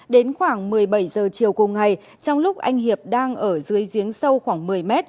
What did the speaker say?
đến khoảng một mươi bảy giờ chiều cùng ngày trong lúc anh hiệp đang ở dưới giếng sâu khoảng một mươi mét